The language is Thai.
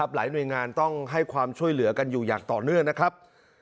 หลายหน่วยงานต้องให้ความช่วยเหลือกันอยู่อย่างต่อเนื่องนะครับ